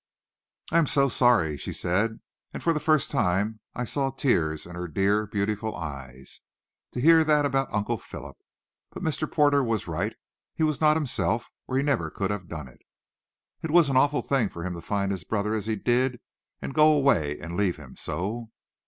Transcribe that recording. "I am so sorry," she said, and for the first time I saw tears in her dear, beautiful eyes, "to hear that about Uncle Philip. But Mr. Porter was right, he was not himself, or he never could have done it." "It was an awful thing for him to find his brother as he did, and go away and leave him so."